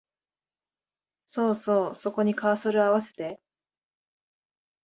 そうそう、そこにカーソルをあわせて